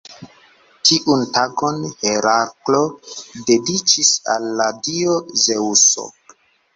Tiun tagon Heraklo dediĉis al la dio Zeŭso.